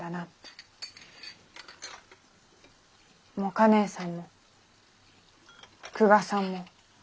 もか姉さんも久我さんも。